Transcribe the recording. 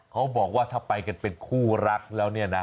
เขาบอกว่าถ้าไปกันเป็นคู่รักแล้วเนี่ยนะ